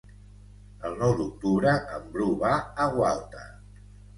El nou d'octubre en Bru va a Gualta.